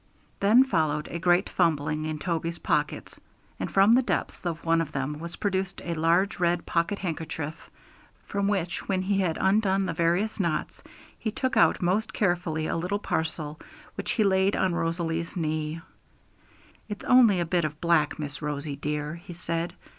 Then followed a great fumbling in Toby's pockets, and from the depths of one of them was produced a large red pocket handkerchief, from which, when he had undone the various knots, he took out most carefully a little parcel, which he laid on Rosalie's knee. 'It's only a bit of black, Miss Rosie dear,' he said.